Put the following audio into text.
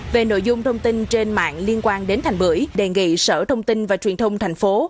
về nội dung thông tin trên mạng liên quan đến thành bưởi đề nghị sở thông tin và truyền thông thành phố